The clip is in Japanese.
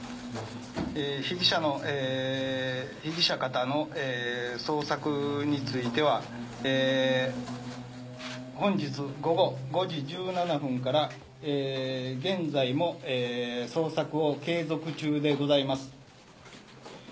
被疑者の捜索については、本日午後５時１７分から、現在も捜索を継続中でございます。